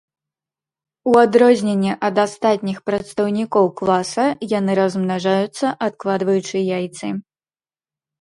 У адрозненне ад астатніх прадстаўнікоў класа яны размнажаюцца, адкладваючы яйцы.